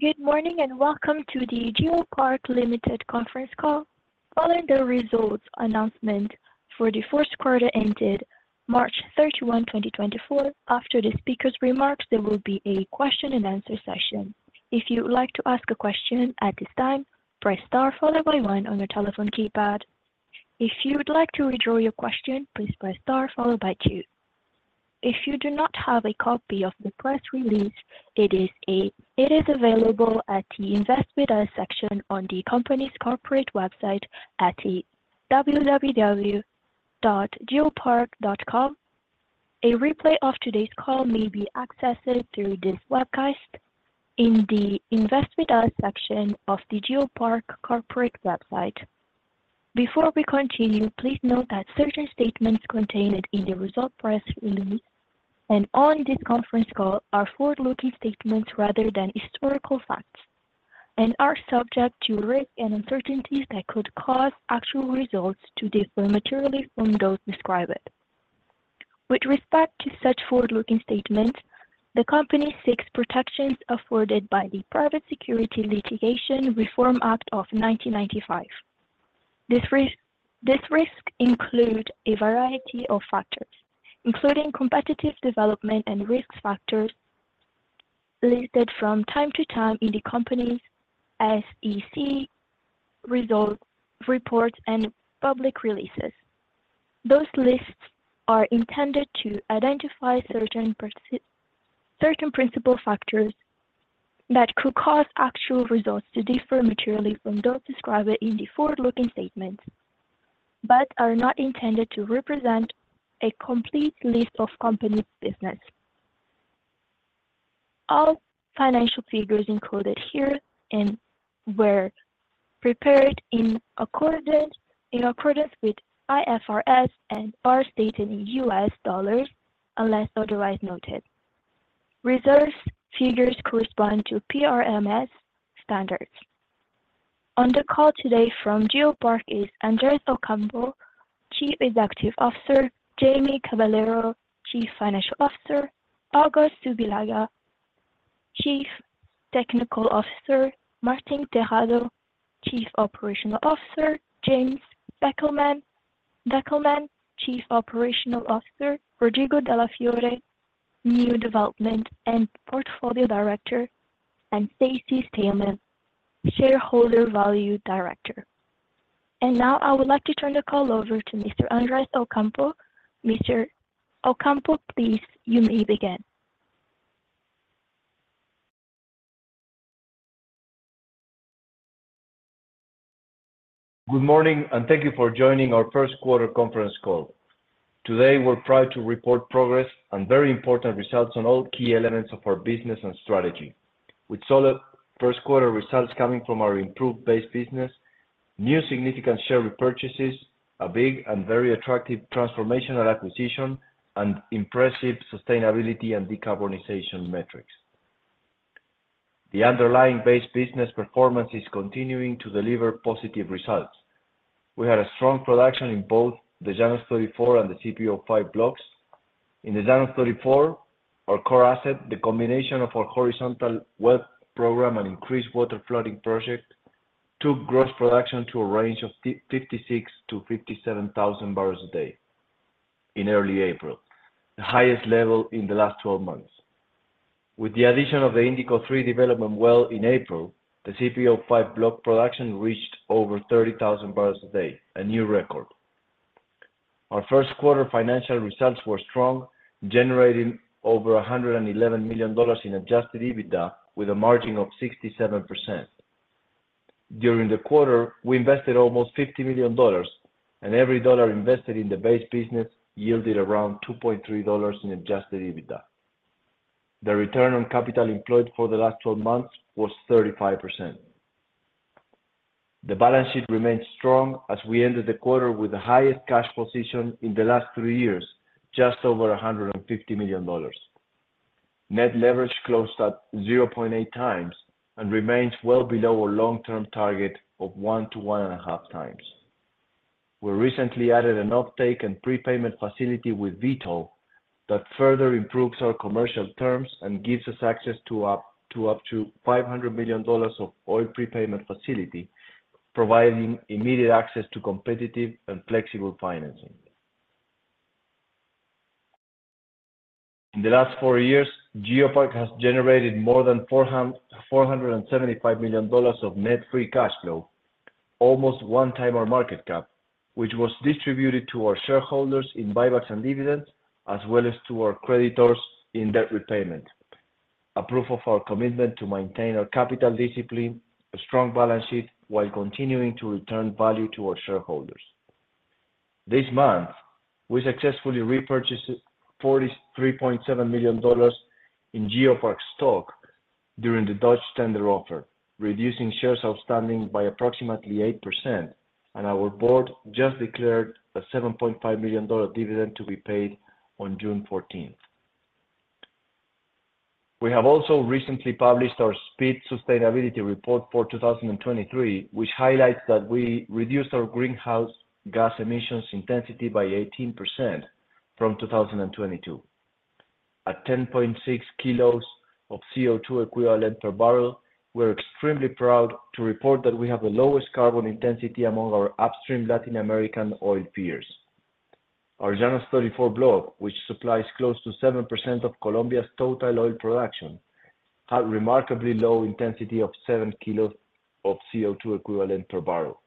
Good morning, and welcome to the GeoPark Limited Conference Call, following the results announcement for the first quarter ended March 31, 2024. After the speaker's remarks, there will be a question and answer session. If you would like to ask a question at this time, press star followed by one on your telephone keypad. If you would like to withdraw your question, please press star followed by two. If you do not have a copy of the press release, it is available at the Invest With Us section on the company's corporate website at www.geopark.com. A replay of today's call may be accessed through this webcast in the Invest With Us section of the GeoPark corporate website. Before we continue, please note that certain statements contained in the results press release and on this conference call are forward-looking statements rather than historical facts, and are subject to risks and uncertainties that could cause actual results to differ materially from those described. With respect to such forward-looking statements, the company seeks protections afforded by the Private Securities Litigation Reform Act of 1995. This risk includes a variety of factors, including competitive developments and risk factors listed from time to time in the company's SEC filings and public releases. Those lists are intended to identify certain principal factors that could cause actual results to differ materially from those described in the forward-looking statements, but are not intended to represent a complete list of the company's business. All financial figures included here and were prepared in accordance with IFRS and are stated in US dollars, unless otherwise noted. Reserves figures correspond to PRMS standards. On the call today from GeoPark is Andrés Ocampo, Chief Executive Officer, Jaime Caballero, Chief Financial Officer, Augusto Zubillaga, Chief Technical Officer, Martín Terrado, Chief Operational Officer, James Deckelman, Chief Exploration Officer, Rodrigo Dalle Fiore, New Development and Portfolio Director, and Stacy Steimel, Shareholder Value Director. Now I would like to turn the call over to Mr. Andrés Ocampo. Mr. Ocampo, please, you may begin. Good morning, and thank you for joining our First Quarter Conference Call. Today, we're proud to report progress and very important results on all key elements of our business and strategy. With solid first quarter results coming from our improved base business, new significant share repurchases, a big and very attractive transformational acquisition, and impressive sustainability and decarbonization metrics. The underlying base business performance is continuing to deliver positive results. We had a strong production in both the Llanos 34 and the CPO-5 blocks. In the Llanos 34, our core asset, the combination of our horizontal well program and increased water flooding project, took gross production to a range of 56,000-57,000 barrels a day in early April, the highest level in the last 12 months. With the addition of the Indico 3 development well in April, the CPO-5 block production reached over 30,000 barrels a day, a new record. Our first quarter financial results were strong, generating over $111 million in adjusted EBITDA with a margin of 67%. During the quarter, we invested almost $50 million, and every dollar invested in the base business yielded around $2.3 in adjusted EBITDA. The return on capital employed for the last 12 months was 35%. The balance sheet remains strong as we ended the quarter with the highest cash position in the last three years, just over $150 million. Net leverage closed at 0.8x and remains well below our long-term target of 1x-1.5x. We recently added an offtake and prepayment facility with Vitol that further improves our commercial terms and gives us access to up to $500 million of oil prepayment facility, providing immediate access to competitive and flexible financing. In the last four years, GeoPark has generated more than $475 million of net free cash flow, almost 1x our market cap, which was distributed to our shareholders in buybacks and dividends, as well as to our creditors in debt repayment. A proof of our commitment to maintain our capital discipline, a strong balance sheet while continuing to return value to our shareholders. This month, we successfully repurchased $43.7 million in GeoPark stock during the Dutch tender offer, reducing shares outstanding by approximately 8%, and our board just declared a $7.5 million dividend to be paid on June 14th. We have also recently published our SPEED/Sustainability Reports for 2023, which highlights that we reduced our greenhouse gas emissions intensity by 18% from 2022. At 10.6 kg of CO2 equivalent per barrel, we're extremely proud to report that we have the lowest carbon intensity among our upstream Latin American oil peers. Our Llanos 34 block, which supplies close to 7% of Colombia's total oil production, had remarkably low intensity of 7 kg of CO2 equivalent per barrel.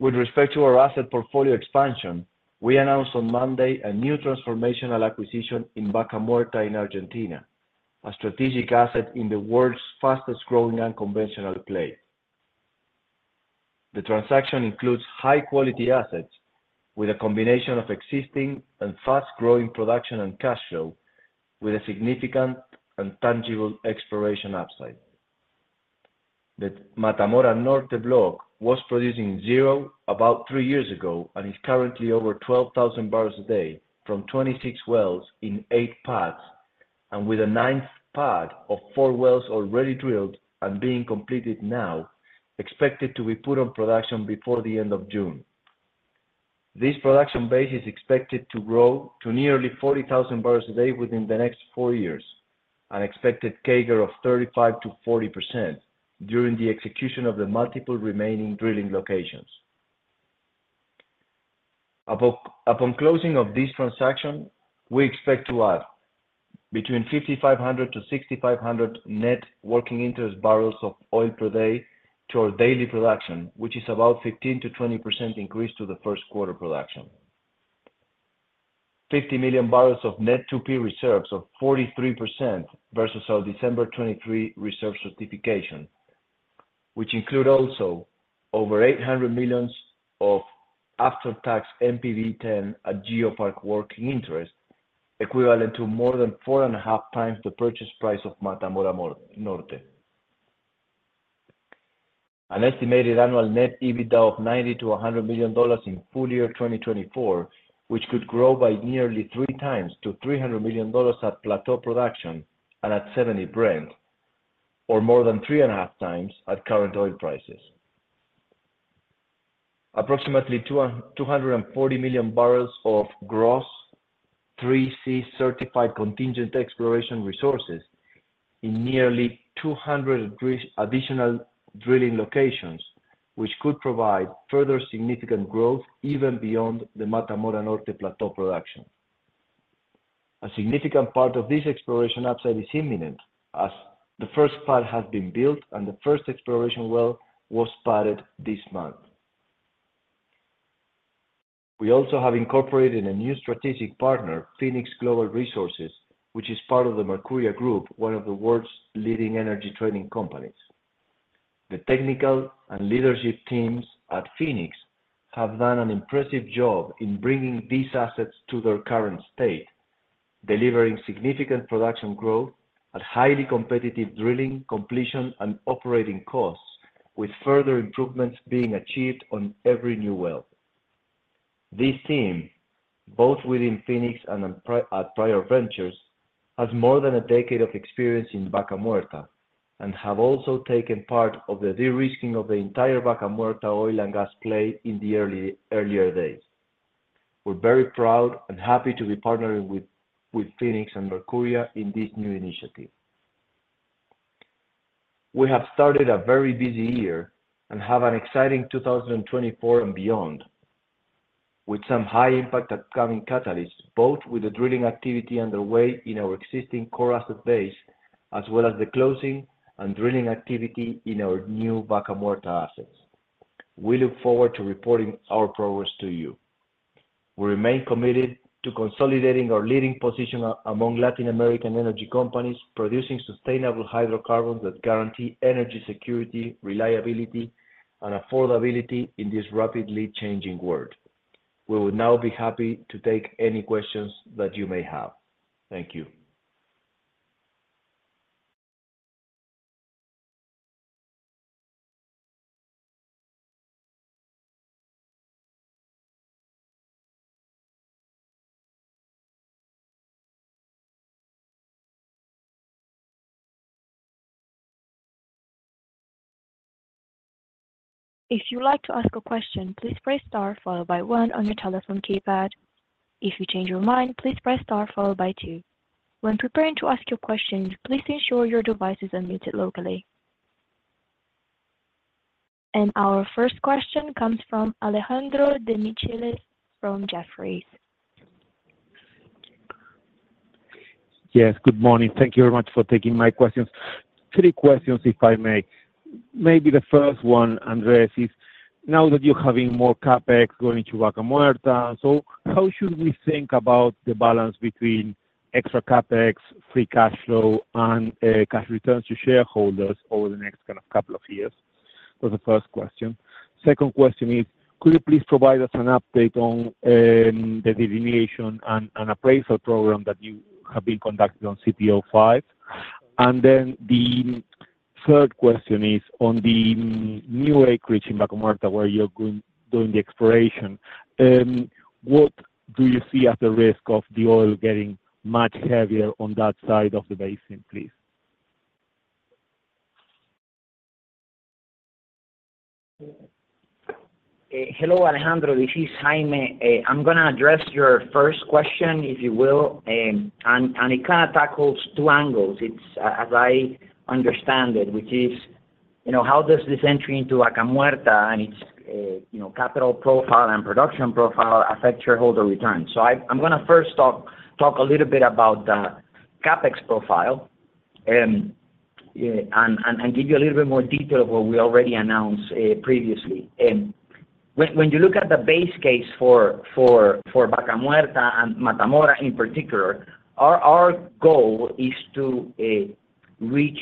With respect to our asset portfolio expansion, we announced on Monday a new transformational acquisition in Vaca Muerta in Argentina, a strategic asset in the world's fastest-growing unconventional play. The transaction includes high-quality assets with a combination of existing and fast-growing production and cash flow, with a significant and tangible exploration upside. The Mata Mora Norte block was producing zero about three years ago and is currently over 12,000 barrels a day from 26 wells in 8 pads, and with a 9th pad of 4 wells already drilled and being completed now, expected to be put on production before the end of June. This production base is expected to grow to nearly 40,000 barrels a day within the next four years, an expected CAGR of 35%-40% during the execution of the multiple remaining drilling locations. Upon closing of this transaction, we expect to add between 5,500-6,500 net working interest barrels of oil per day to our daily production, which is about 15%-20% increase to the first quarter production. 50 million barrels of net 2P reserves of 43% versus our December 2023 reserve certification, which also include over 800 million of after-tax NPV10 at GeoPark working interest, equivalent to more than 4.5x the purchase price of Mata Mora Norte. An estimated annual net EBITDA of $90 million-$100 million in full year 2024, which could grow by nearly 3x to $300 million at plateau production and at $70 Brent, or more than 3.5x at current oil prices. Approximately 240 million barrels of gross 3C certified contingent exploration resources in nearly 200 additional drilling locations, which could provide further significant growth even beyond the Mata Mora Norte plateau production. A significant part of this exploration upside is imminent, as the first pad has been built and the first exploration well was spudded this month. We also have incorporated a new strategic partner, Phoenix Global Resources, which is part of the Mercuria Group, one of the world's leading energy trading companies. The technical and leadership teams at Phoenix have done an impressive job in bringing these assets to their current state, delivering significant production growth at highly competitive drilling, completion, and operating costs, with further improvements being achieved on every new well. This team, both within Phoenix and at prior ventures, has more than a decade of experience in Vaca Muerta and have also taken part of the de-risking of the entire Vaca Muerta oil and gas play in the earlier days. We're very proud and happy to be partnering with Phoenix and Mercuria in this new initiative. We have started a very busy year and have an exciting 2024 and beyond, with some high impact upcoming catalysts, both with the drilling activity underway in our existing core asset base, as well as the closing and drilling activity in our new Vaca Muerta assets. We look forward to reporting our progress to you. We remain committed to consolidating our leading position among Latin American energy companies, producing sustainable hydrocarbons that guarantee energy security, reliability, and affordability in this rapidly changing world. We would now be happy to take any questions that you may have. Thank you. If you'd like to ask a question, please press star followed by one on your telephone keypad. If you change your mind, please press star followed by two. When preparing to ask your question, please ensure your device is unmuted locally. Our first question comes from Alejandro Demichelis from Jefferies. Yes, good morning. Thank you very much for taking my questions. Three questions, if I may. Maybe the first one, Andrés, is now that you're having more CapEx going to Vaca Muerta, so how should we think about the balance between extra CapEx, free cash flow, and cash returns to shareholders over the next kind of couple of years? For the first question. Second question is, could you please provide us an update on the delineation and appraisal program that you have been conducting on CPO-5? And then the third question is on the new acreage in Vaca Muerta, where you're doing the exploration, what do you see as the risk of the oil getting much heavier on that side of the basin, please? Hello, Alejandro, this is Jaime. I'm gonna address your first question, if you will, and it kind of tackles two angles. It's, as I understand it, which is, you know, how does this entry into Vaca Muerta and its, you know, capital profile and production profile affect shareholder returns? So I'm gonna first talk a little bit about the CapEx profile, and give you a little bit more detail of what we already announced, previously. When you look at the base case for Vaca Muerta and Mata Mora in particular, our goal is to reach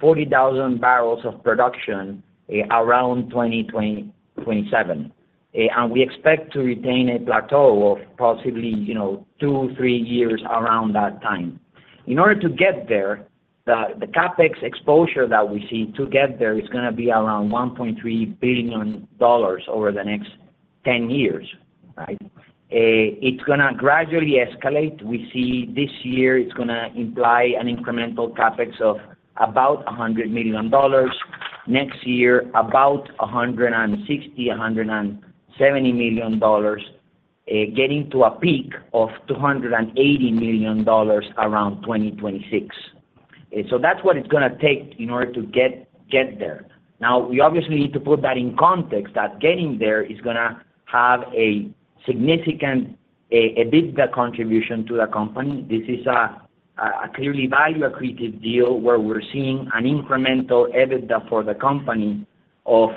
40,000 barrels of production, around 2027. And we expect to retain a plateau of possibly, you know, two to three years around that time. In order to get there, the CapEx exposure that we see to get there is gonna be around $1.3 billion over the next 10 years, right? It's gonna gradually escalate. We see this year, it's gonna imply an incremental CapEx of about $100 million. Next year, about $160 million-$170 million, getting to a peak of $280 million around 2026. So that's what it's gonna take in order to get there. Now, we obviously need to put that in context, that getting there is gonna have a significant EBITDA contribution to the company. This is a clearly value accretive deal where we're seeing an incremental EBITDA for the company of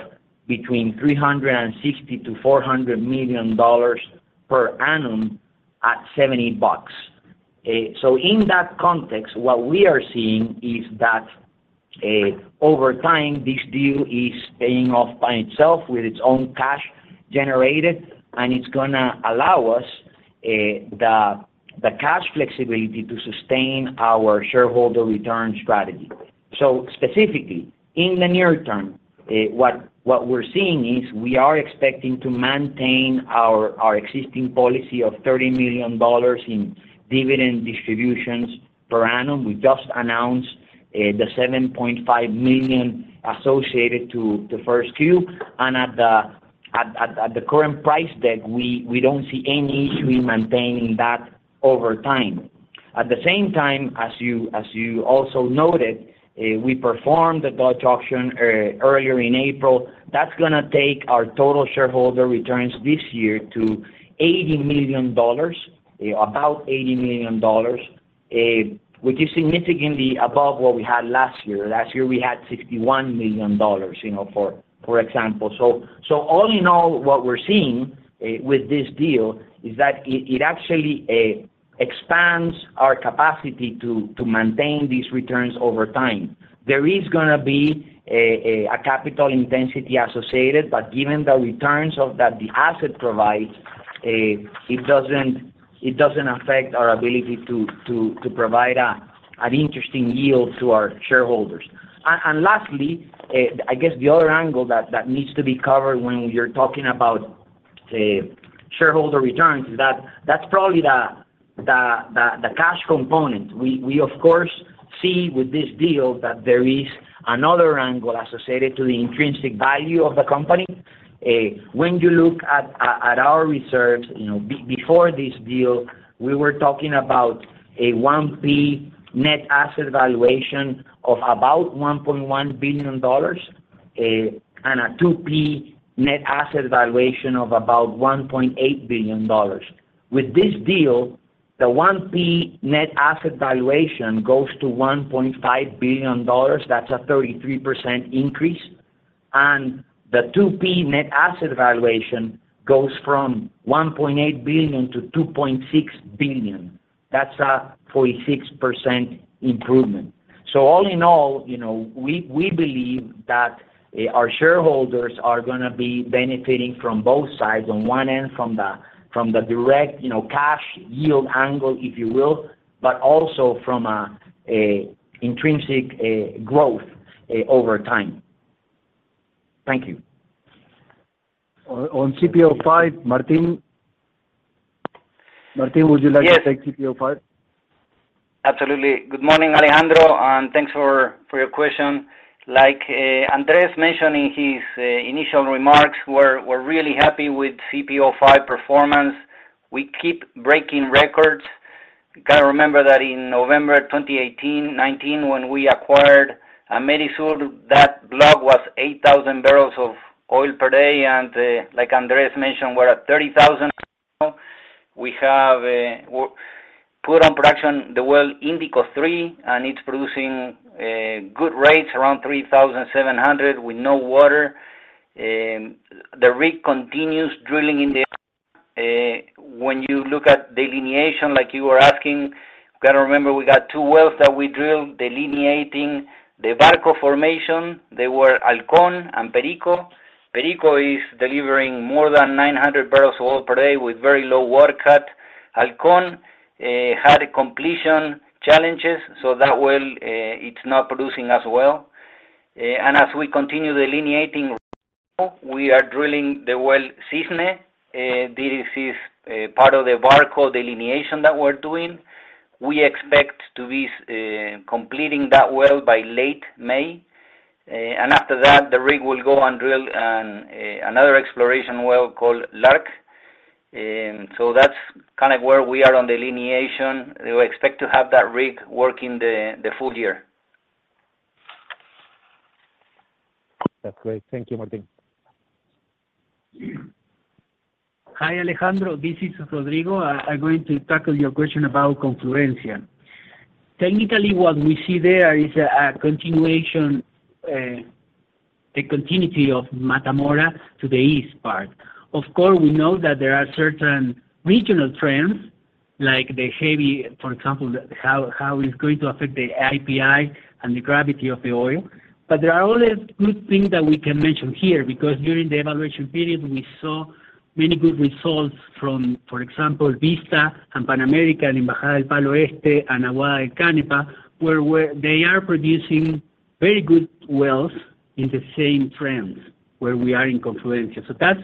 between $360 million-$400 million per annum at $70. So in that context, what we are seeing is that over time, this deal is paying off by itself with its own cash generated, and it's gonna allow us the cash flexibility to sustain our shareholder return strategy. So specifically, in the near term, what we're seeing is we are expecting to maintain our existing policy of $30 million in dividend distributions per annum. We just announced the $7.5 million associated to the first two, and at the current price deck, we don't see any issue in maintaining that over time. At the same time, as you also noted, we performed the Dutch auction earlier in April. That's gonna take our total shareholder returns this year to $80 million, about $80 million, which is significantly above what we had last year. Last year, we had $61 million, you know, for example. So all in all, what we're seeing with this deal is that it actually expands our capacity to maintain these returns over time. There is gonna be a capital intensity associated, but given the returns that the asset provides, it doesn't affect our ability to provide an interesting yield to our shareholders. And lastly, I guess the other angle that needs to be covered when you're talking about shareholder returns, is that that's probably the cash component. We of course see with this deal that there is another angle associated to the intrinsic value of the company. When you look at our reserves, you know, before this deal, we were talking about a 1P net asset valuation of about $1.1 billion, and a 2P net asset valuation of about $1.8 billion. With this deal, the 1P net asset valuation goes to $1.5 billion, that's a 33% increase, and the 2P net asset valuation goes from $1.8 billion-$2.6 billion. That's a 46% improvement. So all in all, you know, we believe that our shareholders are gonna be benefiting from both sides. On one end, from the direct, you know, cash yield angle, if you will, but also from a intrinsic growth over time. Thank you. On CPO-5, Martín? Martín, would you like- Yes. -to take CPO-5? Absolutely. Good morning, Alejandro, and thanks for your question. Like, Andrés mentioned in his initial remarks, we're really happy with CPO-5 performance. We keep breaking records. You gotta remember that in November 2018, 2019, when we acquired Amerisur, that block was 8,000 barrels of oil per day, and like Andrés mentioned, we're at 30,000. We have we put on production the well Indico 3, and it's producing good rates, around 3,700 with no water. The rig continues drilling in the. When you look at delineation, like you were asking, you gotta remember, we got two wells that we drilled, delineating the Barco formation. They were Halcon and Perico. Perico is delivering more than 900 barrels of oil per day with very low water cut. Halcon had completion challenges, so that well, it's not producing as well. And as we continue delineating, we are drilling the well, Cisne. This is part of the Barco delineation that we're doing. We expect to be completing that well by late May. And after that, the rig will go and drill another exploration well called Lark. And so that's kind of where we are on the delineation. We expect to have that rig working the full year. That's great. Thank you, Martin. Hi, Alejandro, this is Rodrigo. I'm going to tackle your question about Confluencia. Technically, what we see there is a continuation, a continuity of Mata Mora to the east part. Of course, we know that there are certain regional trends like the heavy. For example, how it's going to affect the API and the gravity of the oil. But there are other good things that we can mention here, because during the evaluation period, we saw many good results from, for example, Vista and Pan American in Bajada del Palo Este and Aguada Canepa, where they are producing very good wells in the same trends where we are in Confluencia. So that's,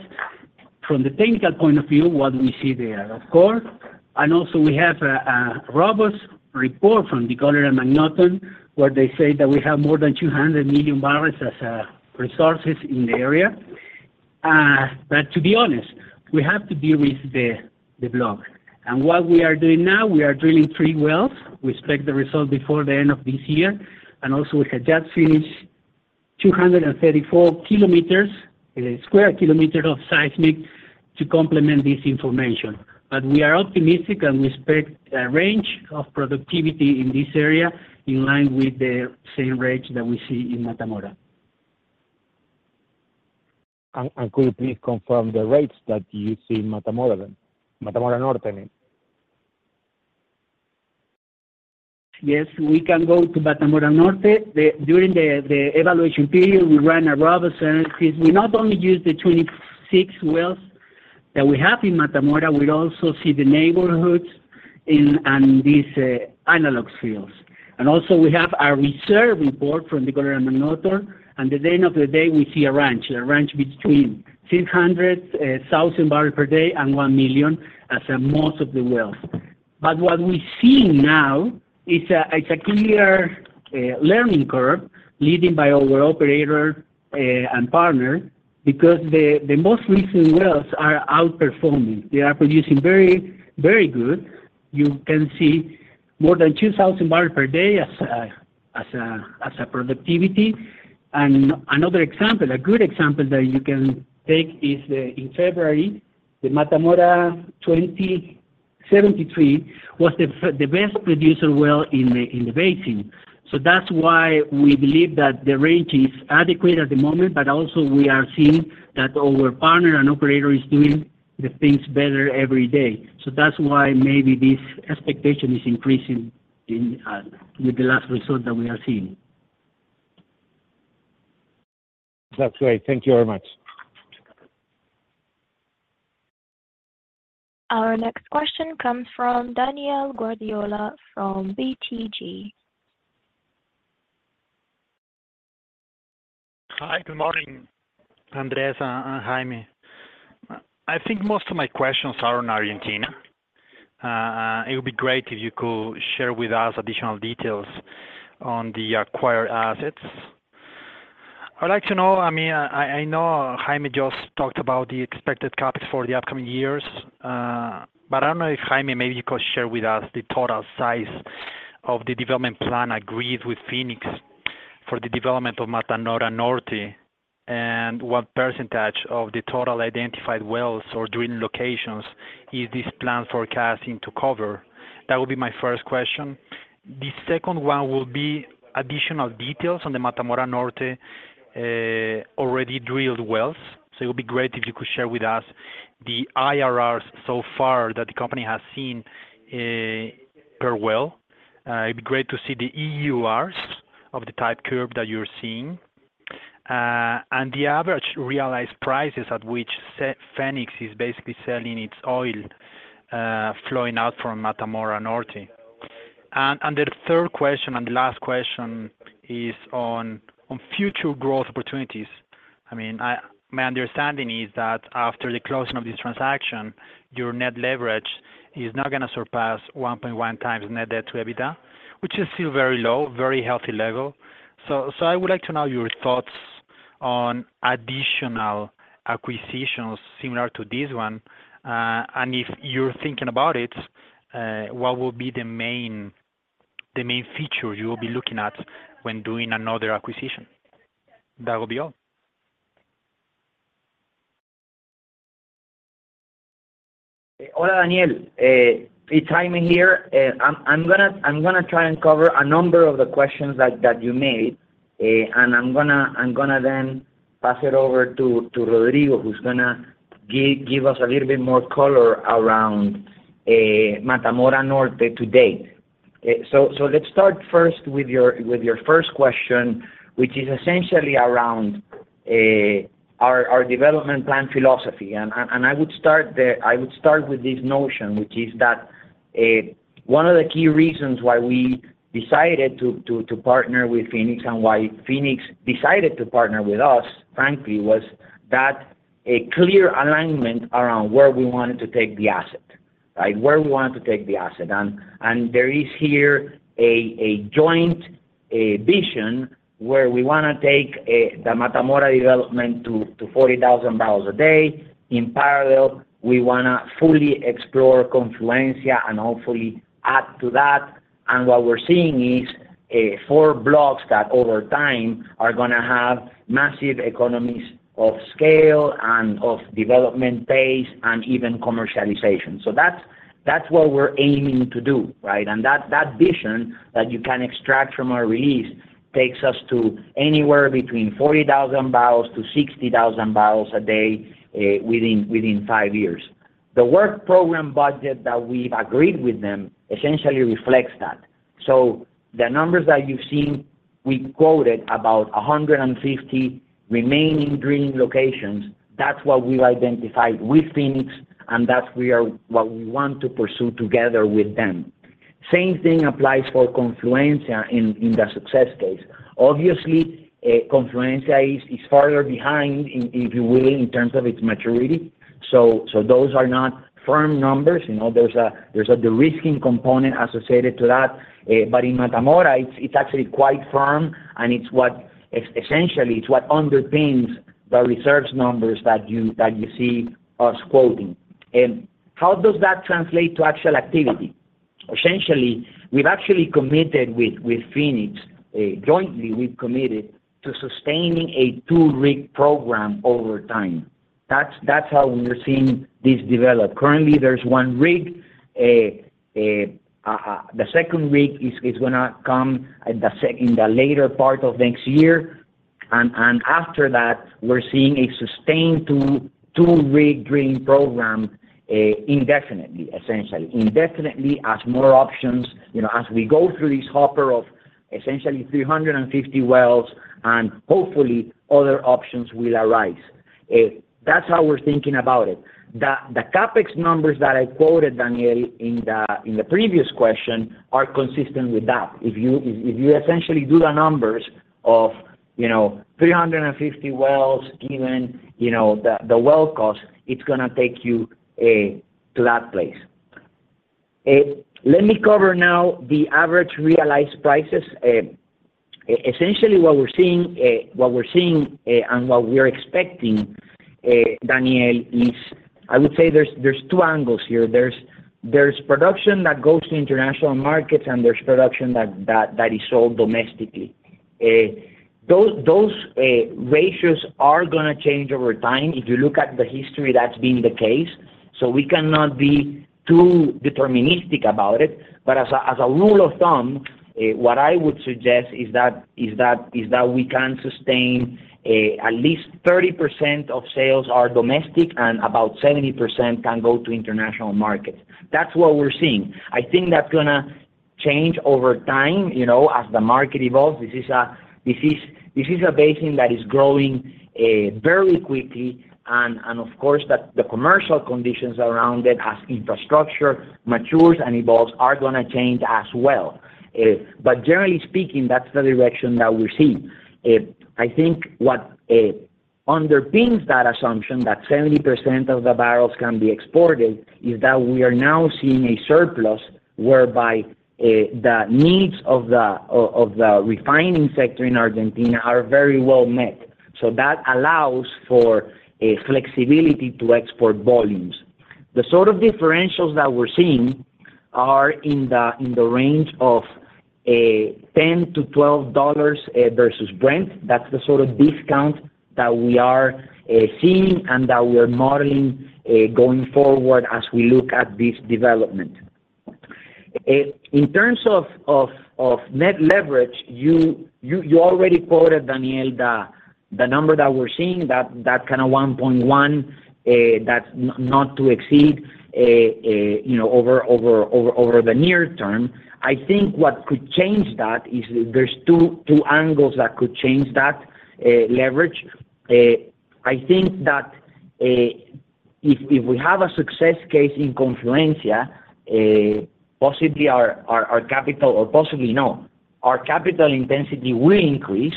from the technical point of view, what we see there. Of course, and also we have a robust report from DeGolyer and MacNaughton, where they say that we have more than 200 million barrels as resources in the area. But to be honest, we have to de-risk the block. And what we are doing now, we are drilling three wells. We expect the result before the end of this year, and also we have just finished 234 sq km of seismic to complement this information. But we are optimistic, and we expect a range of productivity in this area in line with the same range that we see in Mata Mora. Could you please confirm the rates that you see in Mata Mora then? Mata Mora Norte I mean. Yes, we can go to Mata Mora Norte. During the evaluation period, we ran a robust analysis. We not only used the 26 wells that we have in Mata Mora, we also see the neighborhoods in, and these, analog fields. And also we have our reserve report from DeGolyer and MacNaughton, and at the end of the day, we see a range, a range between 600,000 barrels per day and 1 million as a most of the wells. But what we're seeing now is a, is a clear, learning curve leading by our operator, and partner, because the, the most recent wells are outperforming. They are producing very, very good. You can see more than 2,000 barrels per day as a, as a productivity. Another example, a good example that you can take is, in February, the Mata Mora 2073 was the best producer well in the basin. So that's why we believe that the range is adequate at the moment, but also we are seeing that our partner and operator is doing the things better every day. So that's why maybe this expectation is increasing in, with the last result that we are seeing. That's great. Thank you very much. Our next question comes from Daniel Guardiola from BTG. Hi, good morning, Andrés and Jaime. I think most of my questions are on Argentina. It would be great if you could share with us additional details on the acquired assets. I'd like to know, I mean, I know Jaime just talked about the expected CapEx for the upcoming years, but I don't know if, Jaime, maybe you could share with us the total size of the development plan agreed with Phoenix for the development of Mata Mora Norte, and what percentage of the total identified wells or drilling locations is this plan forecasting to cover? That would be my first question. The second one will be additional details on the Mata Mora Norte, already drilled wells. So it would be great if you could share with us the IRRs so far that the company has seen, per well. It'd be great to see the EUR of the type curve that you're seeing, and the average realized prices at which the Phoenix is basically selling its oil, flowing out from Mata Mora Norte. And the third question and the last question is on future growth opportunities. I mean, my understanding is that after the closing of this transaction, your net leverage is not gonna surpass 1.1x net debt to EBITDA, which is still very low, very healthy level. So I would like to know your thoughts on additional acquisitions similar to this one. And if you're thinking about it, what will be the main, the main feature you will be looking at when doing another acquisition? That will be all. Hello, Daniel. It's Jaime here. I'm gonna try and cover a number of the questions that you made, and I'm gonna then pass it over to Rodrigo, who's gonna give us a little bit more color around Mata Mora Norte to date. So let's start first with your first question, which is essentially around our development plan philosophy. I would start with this notion, which is that one of the key reasons why we decided to partner with Phoenix and why Phoenix decided to partner with us, frankly, was that a clear alignment around where we wanted to take the asset, right? Where we want to take the asset. There is here a joint vision, where we wanna take the Mata Mora development to 40,000 barrels a day. In parallel, we wanna fully explore Confluencia and hopefully add to that. And what we're seeing is four blocks that over time are gonna have massive economies of scale and of development pace, and even commercialization. So that's what we're aiming to do, right? And that vision that you can extract from our release takes us to anywhere between 40,000-60,000 barrels a day within five years. The work program budget that we've agreed with them essentially reflects that. So the numbers that you've seen, we quoted about 150 remaining drilling locations, that's what we've identified with Phoenix, and that's what we want to pursue together with them. Same thing applies for Confluencia in the success case. Obviously, Confluencia is farther behind, if you will, in terms of its maturity, so those are not firm numbers. You know, there's a de-risking component associated to that. In Mata Mora, it's actually quite firm, and it's what essentially underpins the reserves numbers that you see us quoting. And how does that translate to actual activity? Essentially, we've actually committed with Phoenix, jointly, we've committed to sustaining a two-rig program over time. That's how we're seeing this develop. Currently, there's one rig, the second rig is gonna come in the later part of next year. After that, we're seeing a sustained two-rig drilling program, indefinitely, essentially. Indefinitely, as more options, you know, as we go through this hopper of essentially 350 wells, and hopefully other options will arise. That's how we're thinking about it. The CapEx numbers that I quoted, Daniel, in the previous question are consistent with that. If you essentially do the numbers of, you know, 350 wells, given, you know, the well cost, it's gonna take you to that place. Let me cover now the average realized prices. Essentially, what we're seeing and what we are expecting, Daniel, is I would say there's two angles here. There's production that goes to international markets, and there's production that is sold domestically. Those ratios are gonna change over time. If you look at the history, that's been the case, so we cannot be too deterministic about it. But as a rule of thumb, what I would suggest is that we can sustain at least 30% of sales are domestic and about 70% can go to international markets. That's what we're seeing. I think that's gonna change over time, you know, as the market evolves. This is a basin that is growing very quickly, and of course, the commercial conditions around it, as infrastructure matures and evolves, are gonna change as well. But generally speaking, that's the direction that we're seeing. I think what underpins that assumption, that 70% of the barrels can be exported, is that we are now seeing a surplus, whereby the needs of the refining sector in Argentina are very well met. So that allows for a flexibility to export volumes. The sort of differentials that we're seeing are in the range of $10-$12 versus Brent. That's the sort of discount that we are seeing and that we are modeling going forward as we look at this development. In terms of net leverage, you already quoted, Daniel, the number that we're seeing, that kind of 1.1, that's not to exceed, you know, over the near term. I think what could change that is there's two, two angles that could change that, leverage. I think that, if, if we have a success case in Confluencia, possibly our, our, our capital or possibly, no, our capital intensity will increase,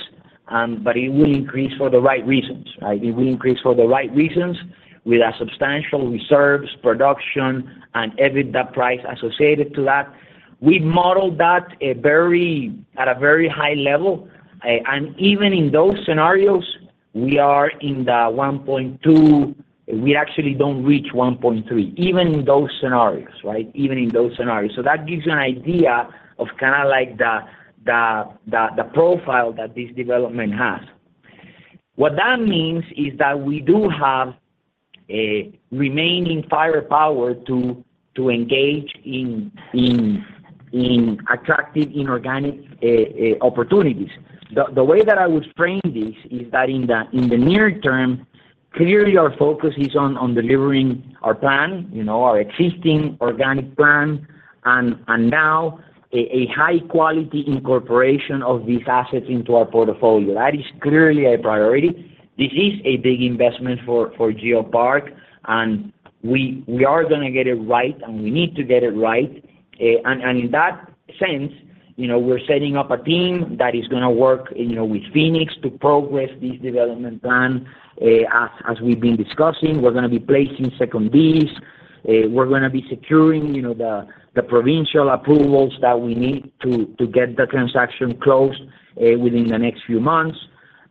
but it will increase for the right reasons, right? It will increase for the right reasons, with a substantial reserves, production, and EBITDA price associated to that. We've modeled that a very, at a very high level, and even in those scenarios, we are in the 1.2. We actually don't reach 1.3, even in those scenarios, right? Even in those scenarios. So that gives you an idea of kind of like the profile that this development has. What that means is that we do have a remaining firepower to engage in attractive inorganic opportunities. The way that I would frame this is that in the near term, clearly our focus is on delivering our plan, you know, our existing organic plan, and now a high-quality incorporation of these assets into our portfolio. That is clearly a priority. This is a big investment for GeoPark, and we are gonna get it right, and we need to get it right. In that sense, you know, we're setting up a team that is gonna work, you know, with Phoenix to progress this development plan. As we've been discussing, we're gonna be placing second deeds. We're gonna be securing, you know, the, the provincial approvals that we need to, to get the transaction closed, within the next few months.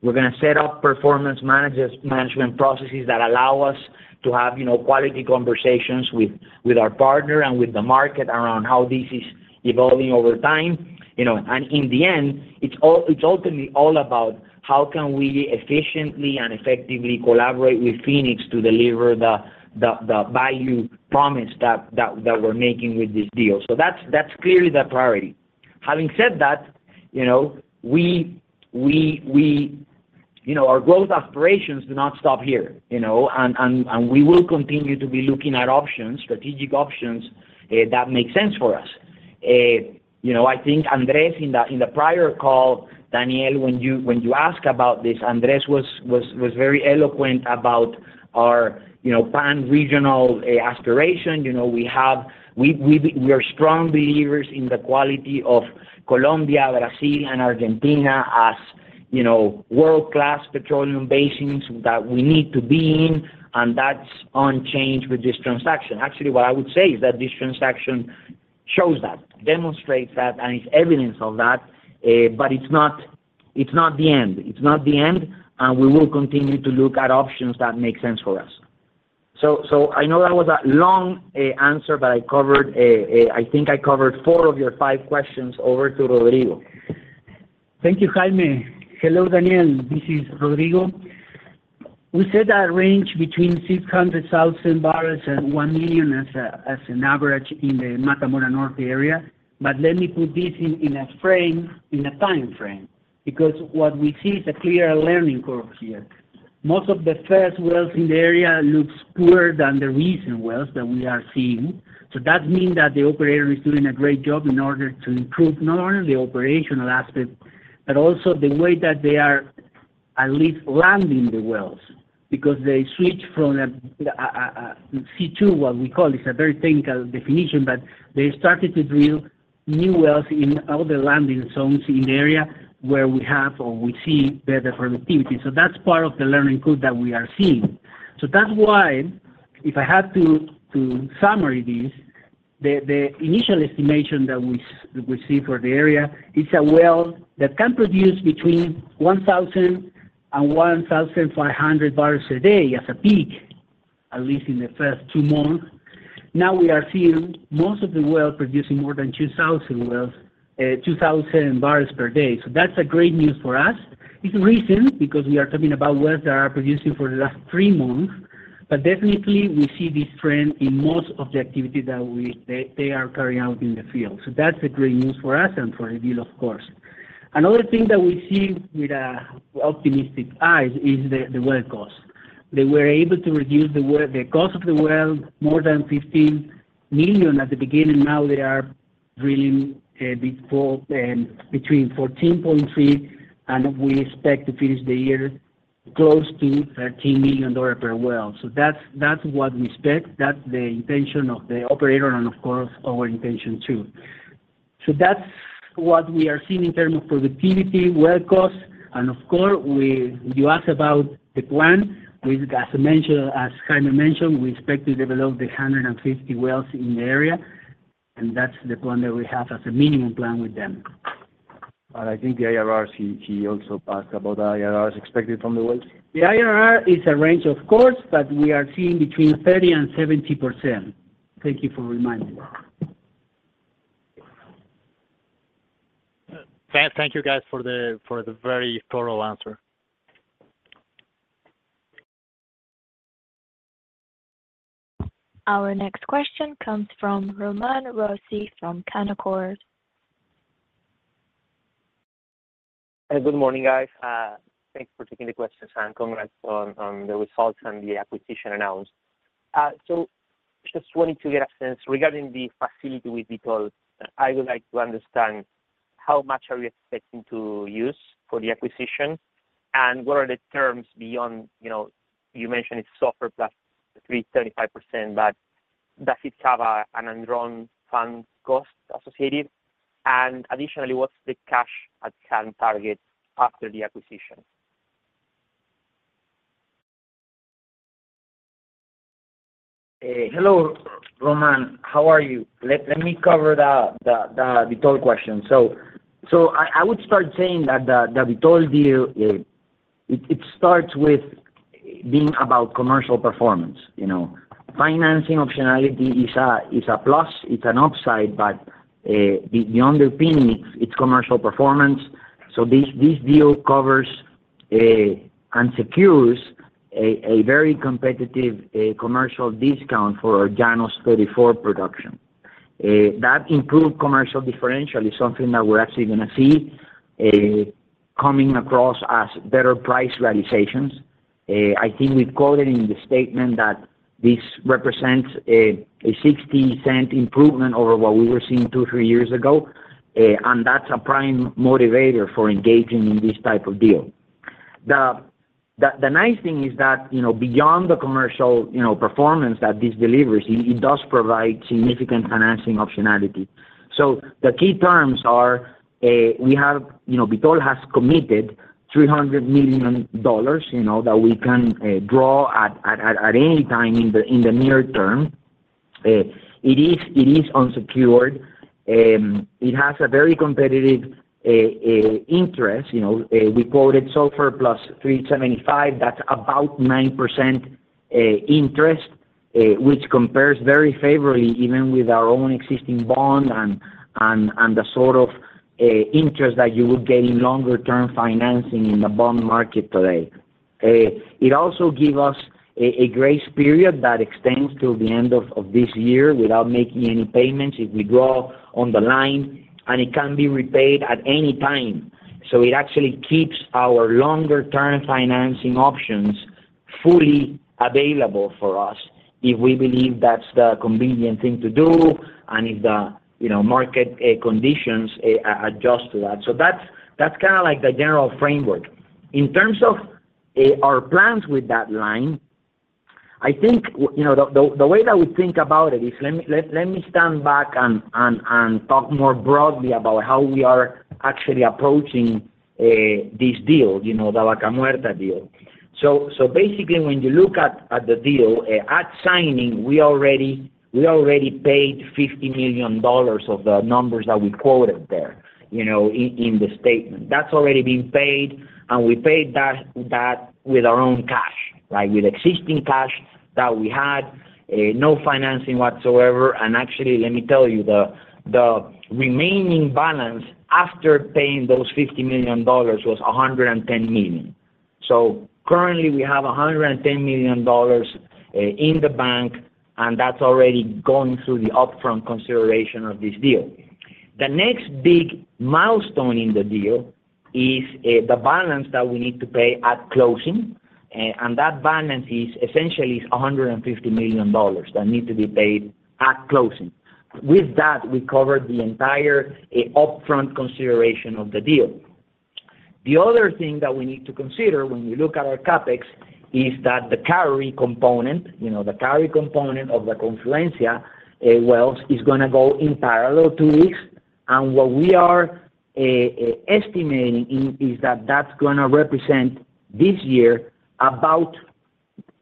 We're gonna set up management processes that allow us to have, you know, quality conversations with, with our partner and with the market around how this is evolving over time, you know. And in the end, it's ultimately all about how can we efficiently and effectively collaborate with Phoenix to deliver the, the, the value promise that, that, that we're making with this deal. So that's, that's clearly the priority. Having said that, you know, our growth aspirations do not stop here, you know, and we will continue to be looking at options, strategic options, that make sense for us. You know, I think Andrés in the prior call, Daniel, when you asked about this, Andrés was very eloquent about our, you know, pan-regional aspiration. You know, we are strong believers in the quality of Colombia, Brazil, and Argentina, as, you know, world-class petroleum basins that we need to be in, and that's unchanged with this transaction. Actually, what I would say is that this transaction shows that, demonstrates that, and it's evidence of that, but it's not the end. It's not the end, and we will continue to look at options that make sense for us. So, I know that was a long answer, but I covered. I think I covered four of your five questions. Over to Rodrigo. Thank you, Jaime. Hello, Daniel. This is Rodrigo. We said that range between 600,000 barrels and 1 million as an average in the Mata Mora North area. But let me put this in a frame, in a time frame, because what we see is a clear learning curve here. Most of the first wells in the area looks poorer than the recent wells that we are seeing. So that means that the operator is doing a great job in order to improve not only the operational aspect, but also the way that they are at least landing the wells, because they switch from a C2, what we call, it's a very technical definition, but they started to drill new wells in other landing zones in the area where we have or we see better productivity. So that's part of the learning curve that we are seeing. So that's why, if I had to summarize this, the initial estimation that we see for the area is a well that can produce between 1,000 and 1,500 barrels a day as a peak, at least in the first two months. Now, we are seeing most of the wells producing more than 2,000 barrels per day. So that's a great news for us. It's recent because we are talking about wells that are producing for the last three months, but definitely we see this trend in most of the activities that they are carrying out in the field. So that's a great news for us and for you, of course. Another thing that we see with a optimistic eyes is the well cost. They were able to reduce the well cost more than $15 million at the beginning. Now they are drilling between 14.3, and we expect to finish the year close to $13 million per well. So that's what we expect. That's the intention of the operator and, of course, our intention, too. So that's what we are seeing in terms of productivity, well cost, and of course, we, you ask about the plan. We've, as Jaime mentioned, we expect to develop the 150 wells in the area, and that's the plan that we have as a minimum plan with them. And I think the IRRs, he also asked about the IRRs expected from the wells. The IRR is a range, of course, but we are seeing between 30% and 70%. Thank you for reminding me. Thank you guys for the very thorough answer. Our next question comes from Román Rossi from Canaccord. Good morning, guys. Thanks for taking the questions, and congrats on the results on the acquisition announced. So just wanted to get a sense regarding the facility with Vitol. I would like to understand how much are we expecting to use for the acquisition, and what are the terms beyond. You know, you mentioned it's SOFR plus 3.5%, but does it have a, an undrawn fund cost associated? And additionally, what's the cash at current target after the acquisition? Hello, Román. How are you? Let me cover the Vitol question. So I would start saying that the Vitol deal, it starts with being about commercial performance, you know. Financing optionality is a plus, it's an upside, but the underpinning, it's commercial performance. So this deal covers and secures a very competitive commercial discount for our Llanos 34 production. That improved commercial differential is something that we're actually gonna see coming across as better price realizations. I think we've called it in the statement that this represents a $0.60 improvement over what we were seeing two, three years ago, and that's a prime motivator for engaging in this type of deal. The nice thing is that, you know, beyond the commercial, you know, performance that this delivers, it does provide significant financing optionality. So the key terms are, we have, you know, Vitol has committed $300 million, you know, that we can draw at any time in the near term. It is unsecured, it has a very competitive interest. You know, we quoted SOFR plus 375, that's about 9% interest, which compares very favorably even with our own existing bond and, and, and the sort of interest that you would get in longer term financing in the bond market today. It also give us a grace period that extends till the end of this year without making any payments, if we draw on the line, and it can be repaid at any time. So it actually keeps our longer term financing options fully available for us, if we believe that's the convenient thing to do and if the, you know, market conditions adjust to that. So that's kind of like the general framework. In terms of our plans with that line, I think, you know, the way that we think about it is. Let me stand back and talk more broadly about how we are actually approaching this deal, you know, the Vaca Muerta deal. So basically, when you look at the deal at signing, we already paid $50 million of the numbers that we quoted there, you know, in the statement. That's already been paid, and we paid that with our own cash. Like, with existing cash that we had, no financing whatsoever. And actually, let me tell you, the remaining balance after paying those $50 million was $110 million. So currently, we have $110 million in the bank, and that's already gone through the upfront consideration of this deal. The next big milestone in the deal is the balance that we need to pay at closing, and that balance is essentially $150 million that need to be paid at closing. With that, we covered the entire upfront consideration of the deal. The other thing that we need to consider when we look at our CapEx is that the carry component, you know, the carry component of the Confluencia wells, is gonna go in parallel to this. And what we are estimating is that that's gonna represent this year about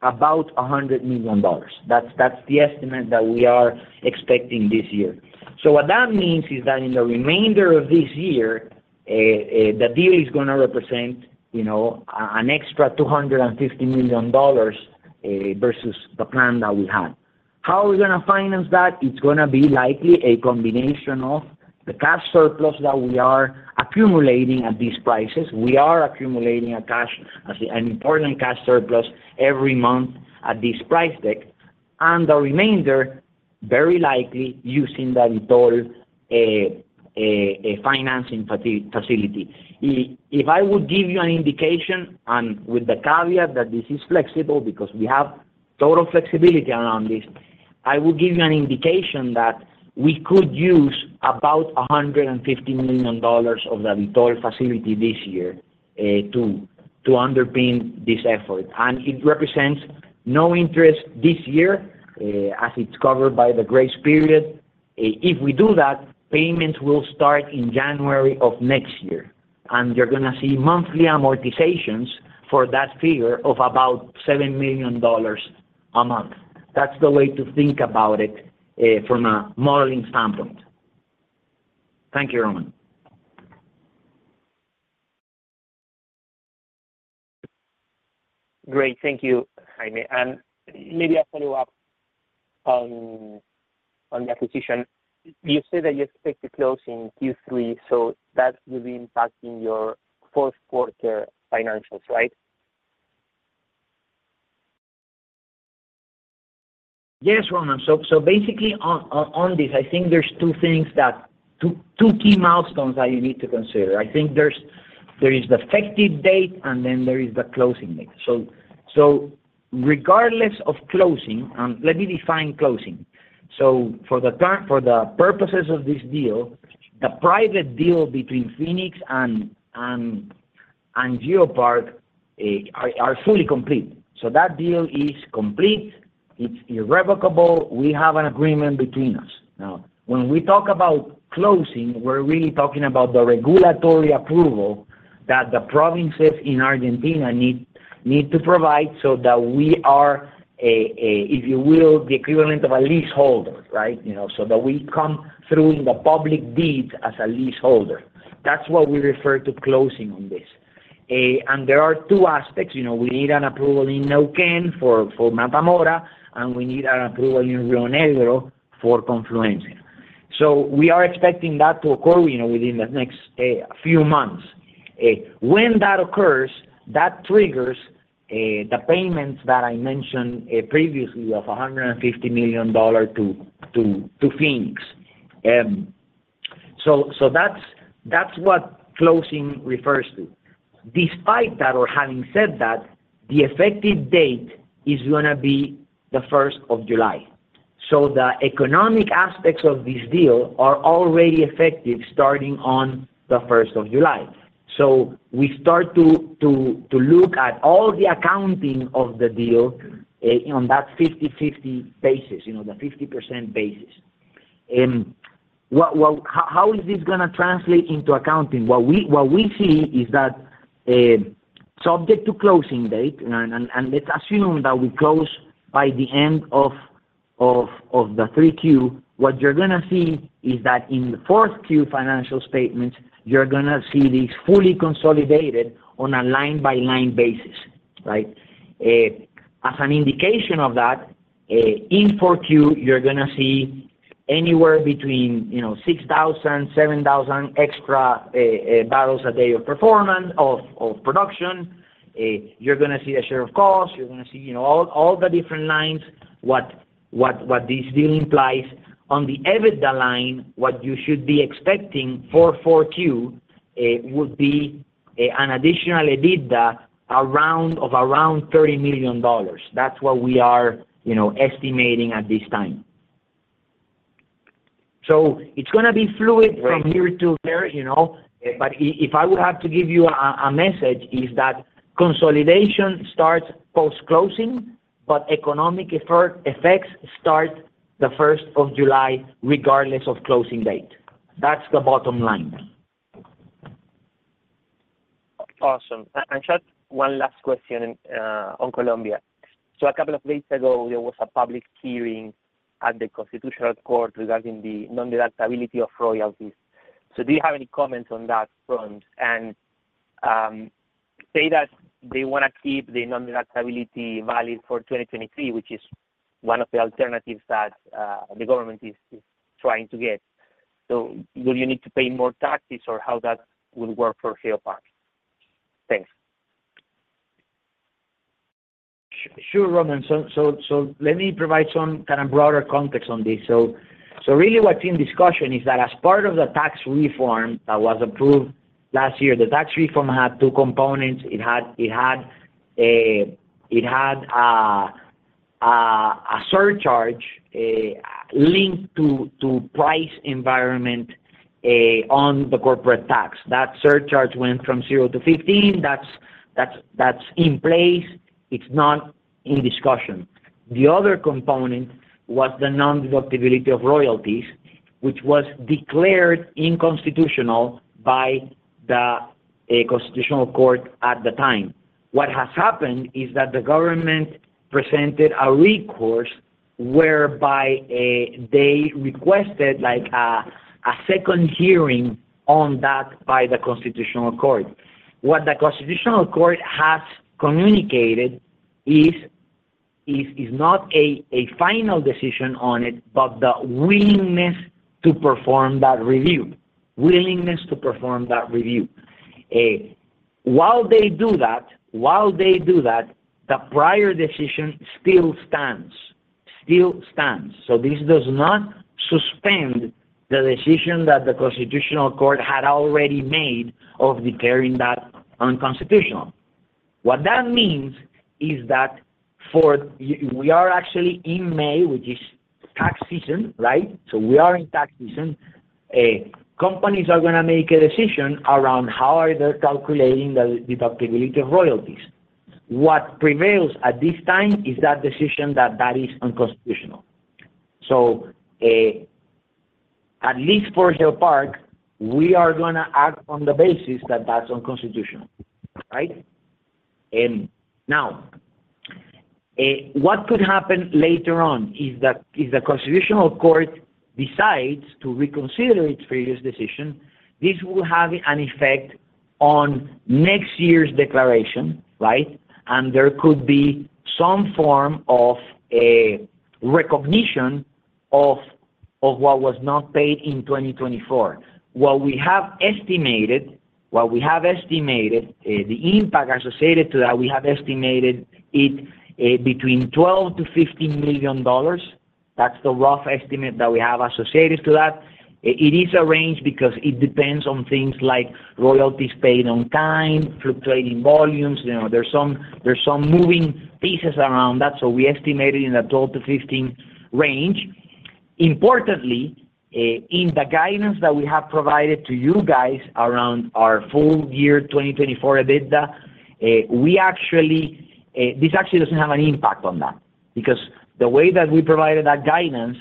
$100 million. That's the estimate that we are expecting this year. So what that means is that in the remainder of this year, the deal is gonna represent, you know, an extra $250 million versus the plan that we had. How are we gonna finance that? It's gonna be likely a combination of the cash surplus that we are accumulating at these prices. We are accumulating a cash, an important cash surplus every month at this price deck, and the remainder, very likely, using the Vitol, a financing facility. If I would give you an indication, and with the caveat that this is flexible because we have total flexibility around this, I would give you an indication that we could use about $150 million of the Vitol facility this year, to underpin this effort. It represents no interest this year, as it's covered by the grace period. If we do that, payments will start in January of next year, and you're gonna see monthly amortizations for that figure of about $7 million a month. That's the way to think about it, from a modeling standpoint. Thank you, Román. Great. Thank you, Jaime. And maybe I'll follow up on the acquisition. You said that you expect to close in Q3, so that will be impacting your fourth quarter financials, right? Yes, Román. So basically on this, I think there's two key milestones that you need to consider. I think there is the effective date, and then there is the closing date. So regardless of closing. Let me define closing. So for the purposes of this deal, the private deal between Phoenix and GeoPark are fully complete. So that deal is complete, it's irrevocable, we have an agreement between us. Now, when we talk about closing, we're really talking about the regulatory approval that the provinces in Argentina need to provide so that we are the equivalent of a leaseholder, right? You know, so that we come through in the public deeds as a leaseholder. That's what we refer to closing on this. And there are two aspects. You know, we need an approval in Neuquén for Mata Mora, and we need an approval in Río Negro for Confluencia. So we are expecting that to occur, you know, within the next few months. When that occurs, that triggers the payments that I mentioned previously of $150 million to Phoenix. So that's what closing refers to. Despite that, or having said that, the effective date is gonna be the first of July. So the economic aspects of this deal are already effective starting on the 1st of July. So we start to look at all the accounting of the deal on that 50/50 basis, you know, the 50% basis. What, how is this gonna translate into accounting? What we, what we see is that, subject to closing date, and, and, and let's assume that we close by the end of 3Q, what you're gonna see is that in the 4Q financial statements, you're gonna see these fully consolidated on a line-by-line basis, right? As an indication of that, in 4Q, you're gonna see anywhere between, you know, 6,000-7,000 extra barrels a day of performance, of production. You're gonna see a share of cost, you're gonna see, you know, all, all the different lines, what this deal implies. On the EBITDA line, what you should be expecting for 4Q would be an additional EBITDA around $30 million. That's what we are, you know, estimating at this time. So it's gonna be fluid from here to there, you know? But if I would have to give you a message, is that consolidation starts post-closing, but economic effects start the 1st of July, regardless of closing date. That's the bottom line. Awesome. And just one last question, on Colombia. So a couple of weeks ago, there was a public hearing at the Constitutional Court regarding the non-deductibility of royalties. So do you have any comments on that front? And, say that they wanna keep the non-deductibility value for 2023, which is one of the alternatives that, the government is trying to get. So will you need to pay more taxes, or how that will work for GeoPark? Thanks. Sure, Román. So let me provide some kind of broader context on this. So really what's in discussion is that as part of the tax reform that was approved last year, the tax reform had two components. It had a surcharge linked to price environment on the corporate tax. That surcharge went from 0-15. That's in place, it's not in discussion. The other component was the non-deductibility of royalties, which was declared unconstitutional by the Constitutional Court at the time. What has happened is that the government presented a recourse whereby they requested a second hearing on that by the Constitutional Court. What the Constitutional Court has communicated is not a final decision on it, but the willingness to perform that review. Willingness to perform that review. While they do that, the prior decision still stands. So this does not suspend the decision that the Constitutional Court had already made of declaring that unconstitutional. What that means is that we are actually in May, which is tax season, right? So we are in tax season. Companies are gonna make a decision around how they are calculating the deductibility of royalties. What prevails at this time is that decision that is unconstitutional. So, at least for GeoPark, we are gonna act on the basis that that's unconstitutional, right? Now, what could happen later on is, if the Constitutional Court decides to reconsider its previous decision, this will have an effect on next year's declaration, right? And there could be some form of a recognition of what was not paid in 2024. What we have estimated, the impact associated to that, we have estimated it between $12 million-$15 million. That's the rough estimate that we have associated to that. It is a range because it depends on things like royalties paid on time, fluctuating volumes. You know, there's some moving pieces around that, so we estimated in the $12 million-$15 million range. Importantly, in the guidance that we have provided to you guys around our full year 2024 EBITDA, we actually This actually doesn't have any impact on that, because the way that we provided that guidance,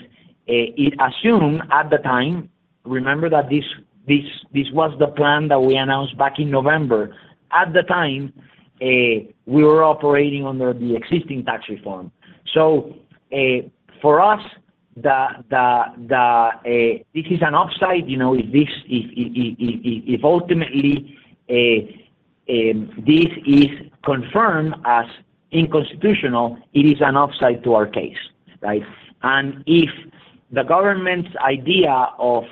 it assumed at the time, remember that this was the plan that we announced back in November. At the time, we were operating under the existing tax reform. So, for us, this is an upside. You know, if ultimately this is confirmed as unconstitutional, it is an upside to our case, right? And if the government's idea of,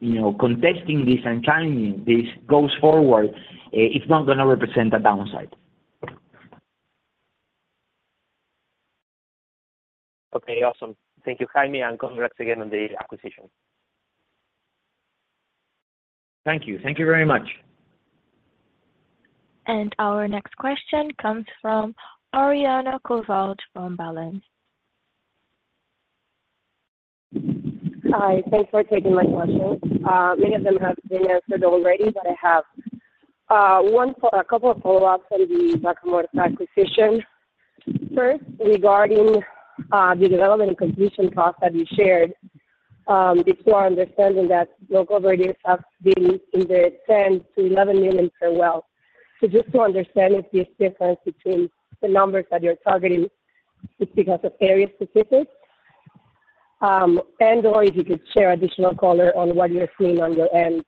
you know, contesting this and challenging this goes forward, it's not gonna represent a downside. Okay, awesome. Thank you, Jaime, and congrats again on the acquisition. Thank you. Thank you very much. Our next question comes from Oriana Covault from Balanz. Hi, thanks for taking my question. Many of them have been answered already, but I have a couple of follow-ups on the Vaca Muerta acquisition. First, regarding the development and completion costs that you shared, it's our understanding that your operating costs have been in the $10 million-$11 million per well. So just to understand if this difference between the numbers that you're targeting is because of area specifics, and/or if you could share additional color on what you're seeing on your end.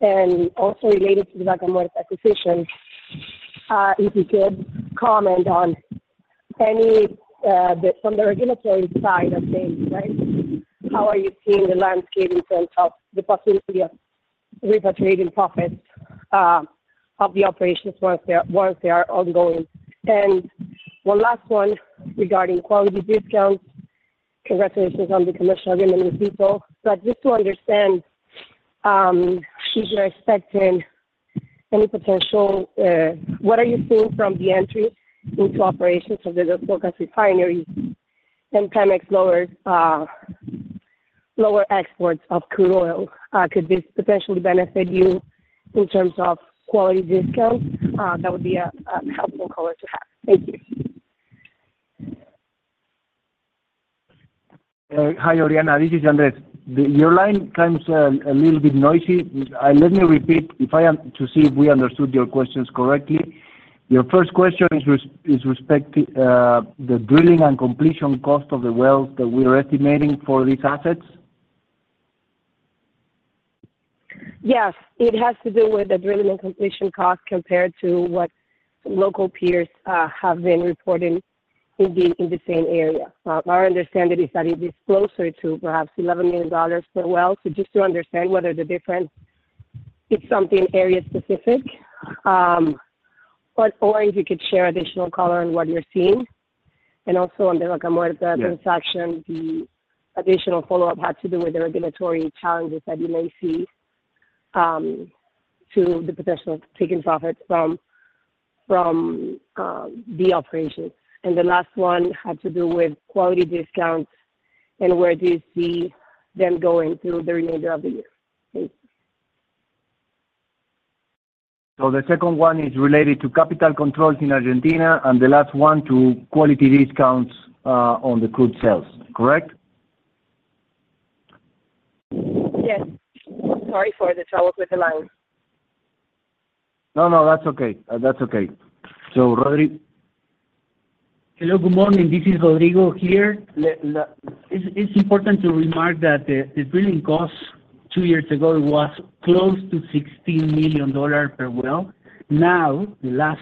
And also related to the Vaca Muerta acquisition, if you could comment on any from the regulatory side of things, right? How are you seeing the landscape in terms of the possibility of repatriating profits of the operations once they are ongoing? And one last one regarding quality discounts. Congratulations on the commercial agreement with Vitol. But just to understand, should you be expecting any potential. What are you seeing from the entry into operation for the Dos Bocas Refinery and can it lower exports of crude oil? Could this potentially benefit you in terms of quality discounts? That would be an helpful color to have. Thank you. Hi, Oriana, this is Andrés. Your line sounds a little bit noisy. Let me repeat to see if we understood your questions correctly. Your first question is respecting the drilling and completion cost of the wells that we're estimating for these assets? Yes. It has to do with the drilling and completion cost, compared to what local peers have been reporting in the same area. Our understanding is that it is closer to perhaps $11 million per well. So just to understand whether the difference is something area specific, but or if you could share additional color on what you're seeing, and also on the Vaca Muerta transaction, the additional follow-up had to do with the regulatory challenges that you may see, to the potential of taking profit from the operation. The last one had to do with quality discounts, and where do you see them going through the remainder of the year? Thank you. So the second one is related to capital controls in Argentina, and the last one to quality discounts on the crude sales, correct? Yes. Sorry for the trouble with the line. No, no, that's okay. That's okay. So, Rodrigo? Hello, good morning. This is Rodrigo here. It's important to remark that the drilling costs two years ago was close to $16 million per well. Now, the end of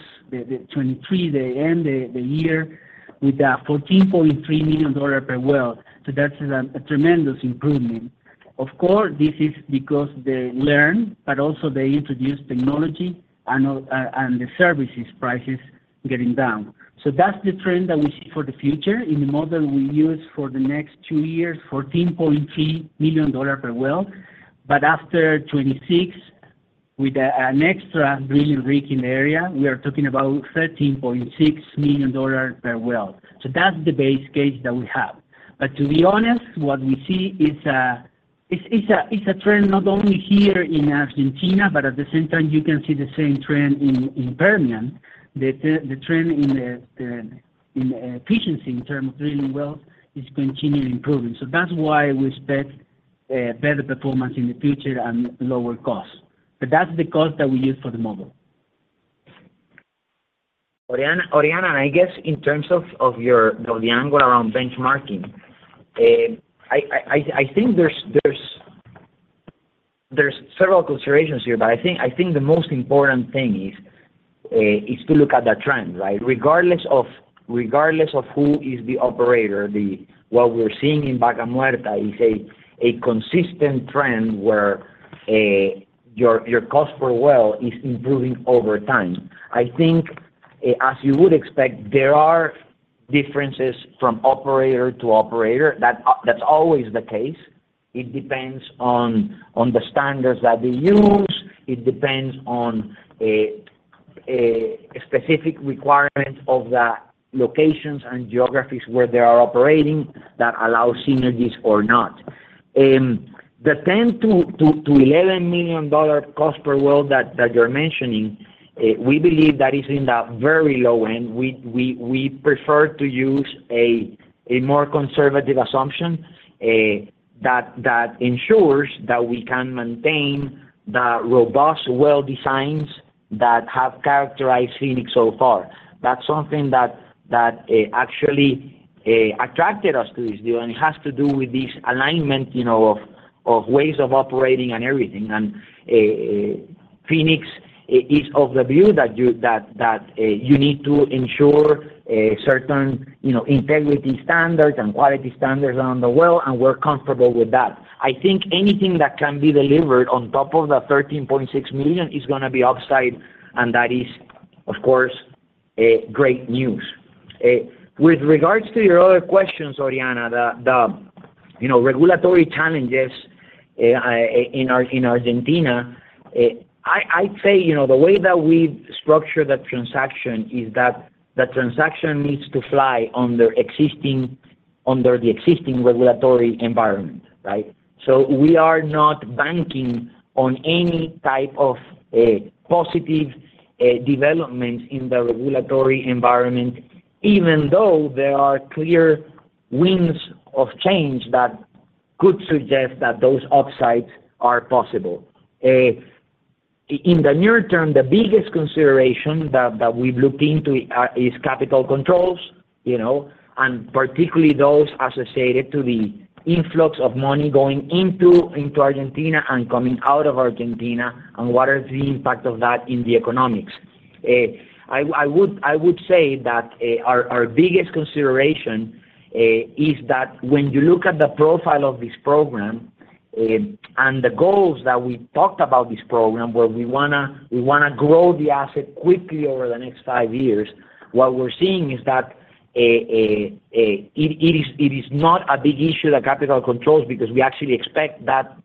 2023, with a $14.3 million per well. So that is a tremendous improvement. Of course, this is because they learn, but also they introduce technology and the services prices getting down. So that's the trend that we see for the future. In the model we use for the next two years, $14.3 million per well, but after 2026, with an extra drilling rig in the area, we are talking about $13.6 million per well. So that's the base case that we have. But to be honest, what we see is a trend not only here in Argentina, but at the same time, you can see the same trend in Permian. The trend in the efficiency in terms of drilling wells is continually improving. So that's why we expect better performance in the future and lower costs. But that's the cost that we use for the model. Oriana, I guess in terms of your angle around benchmarking, I think there's several considerations here, but I think the most important thing is to look at the trend, right? Regardless of who is the operator, what we're seeing in Vaca Muerta is a consistent trend, where your cost per well is improving over time. I think, as you would expect, there are differences from operator to operator. That's always the case. It depends on the standards that they use, it depends on a specific requirement of the locations and geographies where they are operating that allow synergies or not. The $10 million-$11 million cost per well that you're mentioning, we believe that is in the very low end. We prefer to use a more conservative assumption that ensures that we can maintain the robust well designs that have characterized Phoenix so far. That's something that actually attracted us to this deal, and it has to do with this alignment, you know, of ways of operating and everything. And Phoenix is of the view that you need to ensure certain, you know, integrity standards and quality standards on the well, and we're comfortable with that. I think anything that can be delivered on top of the $13.6 million is gonna be upside, and that is, of course, great news. With regards to your other questions, Oriana, you know, the regulatory challenges in Argentina, I'd say, you know, the way that we've structured the transaction is that the transaction needs to fly under the existing regulatory environment, right? So we are not banking on any type of positive development in the regulatory environment, even though there are clear winds of change that could suggest that those upsides are possible. In the near term, the biggest consideration that we've looked into is capital controls, you know, and particularly those associated to the influx of money going into Argentina and coming out of Argentina, and what is the impact of that in the economics? I would say that our biggest consideration is that when you look at the profile of this program and the goals that we talked about this program, where we wanna grow the asset quickly over the next five years, what we're seeing is that it is not a big issue, the capital controls, because we actually expect that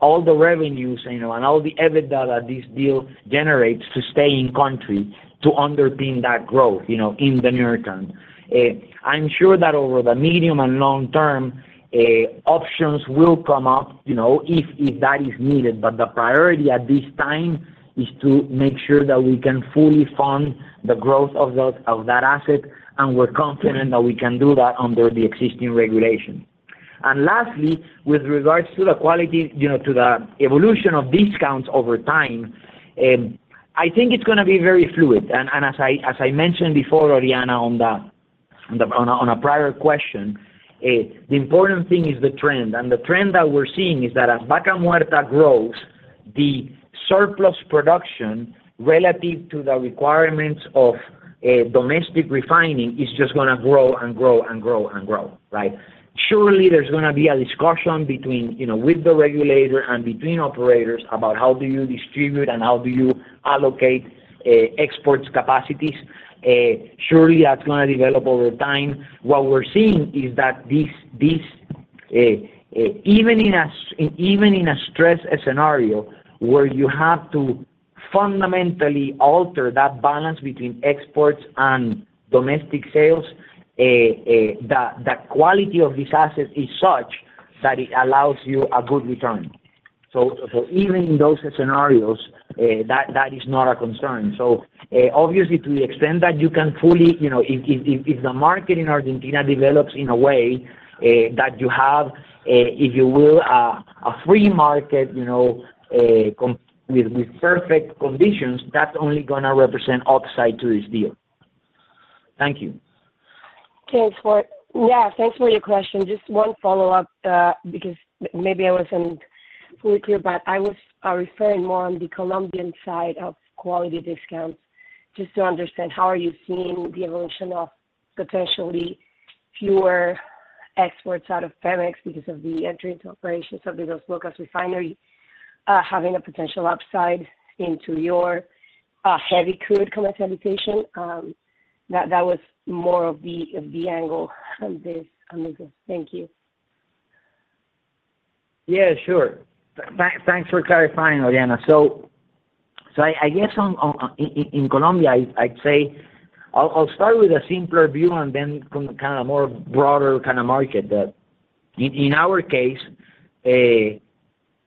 all the revenues, you know, and all the EBITDA that this deal generates to stay in country to underpin that growth, you know, in the near term. I'm sure that over the medium and long term, options will come up, you know, if that is needed. But the priority at this time is to make sure that we can fully fund the growth of that, of that asset, and we're confident that we can do that under the existing regulation. And lastly, with regards to the quality, you know, to the evolution of discounts over time, I think it's gonna be very fluid. And as I mentioned before, Oriana, on a prior question, the important thing is the trend. And the trend that we're seeing is that as Vaca Muerta grows, the surplus production relative to the requirements of domestic refining is just gonna grow and grow and grow and grow, right? Surely, there's gonna be a discussion between, you know, with the regulator and between operators about how do you distribute and how do you allocate exports capacities. Surely that's gonna develop over time. What we're seeing is that this even in a stress scenario, where you have to fundamentally alter that balance between exports and domestic sales, the quality of this asset is such that it allows you a good return. So even in those scenarios, that is not a concern. So, obviously, to the extent that you can fully, you know, if the market in Argentina develops in a way that you have, if you will, a free market, you know, with perfect conditions, that's only gonna represent upside to this deal. Thank you. Okay, thanks. Yeah, thanks for your question. Just one follow-up, because maybe I wasn't fully clear, but I was referring more on the Colombian side of quality discounts. Just to understand, how are you seeing the evolution of potentially fewer exports out of Pemex because of the entry into operation of the Dos Bocas Refinery, having a potential upside into your heavy crude commercialization? That was more of the angle on this. Thank you. Yeah, sure. Thanks for clarifying, Oriana. So, I guess in Colombia, I'd say, I'll start with a simpler view and then from kind of a more broader kind of market, that in our case, you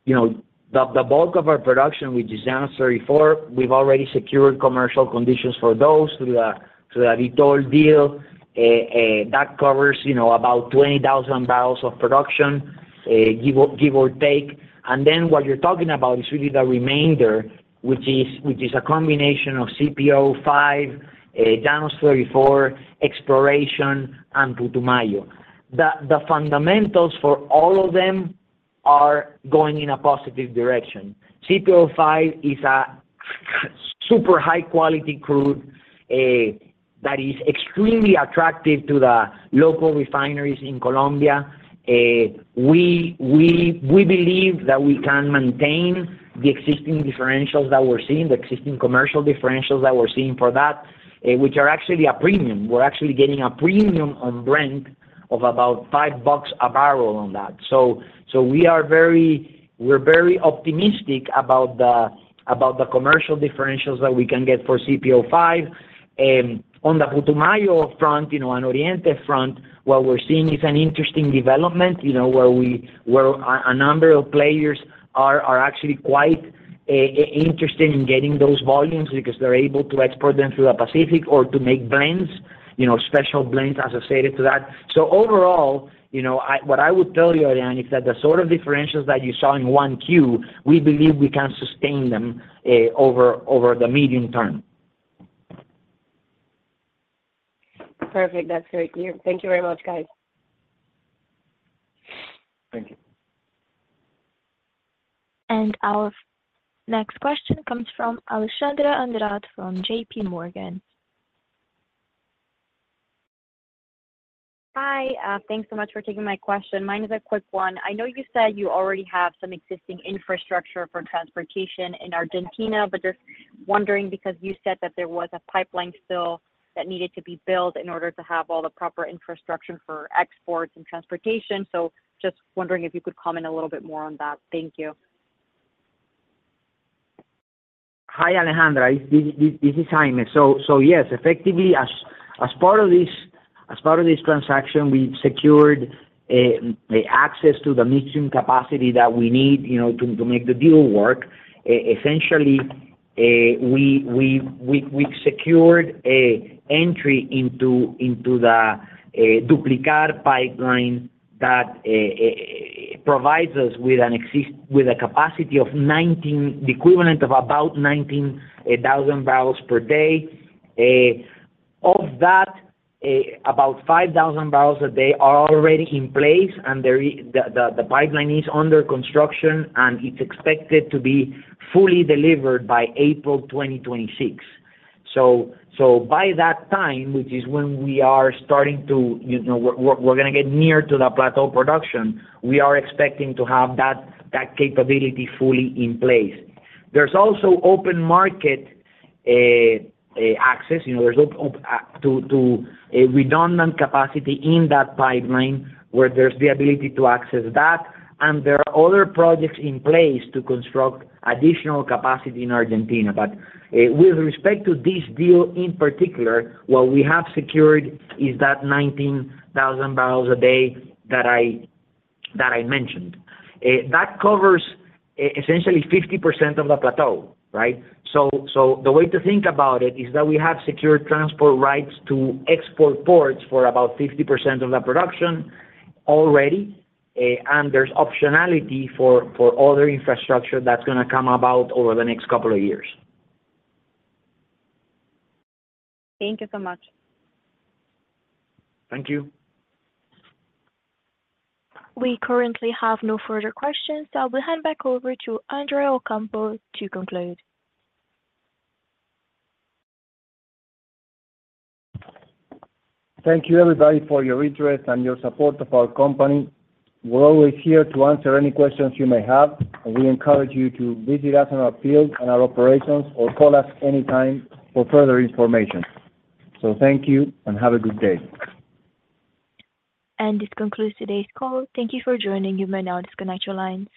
know, the bulk of our production, which is Llanos 34, we've already secured commercial conditions for those through the Vitol deal. That covers, you know, about 20,000 barrels of production, give or take. And then, what you're talking about is really the remainder, which is a combination of CPO-5, Llanos 34 exploration, and Putumayo. The fundamentals for all of them are going in a positive direction. CPO-5 is a super high-quality crude that is extremely attractive to the local refineries in Colombia. We believe that we can maintain the existing differentials that we're seeing, the existing commercial differentials that we're seeing for that, which are actually a premium. We're actually getting a premium on Brent of about $5 a barrel on that. So we are very- we're very optimistic about the, about the commercial differentials that we can get for CPO-5. On the Putumayo front, you know, and Oriente front, what we're seeing is an interesting development, you know, where a number of players are actually quite interested in getting those volumes because they're able to export them through the Pacific or to make blends, you know, special blends, as I stated to that. So overall, you know, what I would tell you, Oriana, is that the sort of differentials that you saw in 1Q, we believe we can sustain them, over the medium term. Perfect. That's very clear. Thank you very much, guys. Thank you. And our next question comes from Alejandra Andrade, from JPMorgan. Hi, thanks so much for taking my question. Mine is a quick one. I know you said you already have some existing infrastructure for transportation in Argentina, but just wondering, because you said that there was a pipeline still that needed to be built in order to have all the proper infrastructure for exports and transportation. So just wondering if you could comment a little bit more on that. Thank you. Hi, Alejandra. This is Jaime. So yes, effectively, as part of this transaction, we secured the access to the mixing capacity that we need, you know, to make the deal work. Essentially, we've secured an entry into the Duplicar pipeline that provides us with an exit with a capacity of about 19,000 barrels per day. Of that, about 5,000 barrels a day are already in place, and the pipeline is under construction, and it's expected to be fully delivered by April 2026. So by that time, which is when we are starting to, you know, we're gonna get near to the plateau production, we are expecting to have that capability fully in place. There's also open market access, you know, there's to a redundant capacity in that pipeline, where there's the ability to access that, and there are other projects in place to construct additional capacity in Argentina. But with respect to this deal, in particular, what we have secured is that 19,000 barrels a day that I mentioned. That covers essentially 50% of the plateau, right? So the way to think about it is that we have secured transport rights to export ports for about 50% of the production already, and there's optionality for other infrastructure that's gonna come about over the next couple of years. Thank you so much. Thank you. We currently have no further questions, so I'll hand back over to Andrés Ocampo to conclude. Thank you, everybody, for your interest and your support of our company. We're always here to answer any questions you may have, and we encourage you to visit us in our fields and our operations, or call us anytime for further information. So thank you, and have a good day. This concludes today's call. Thank you for joining. You may now disconnect your lines.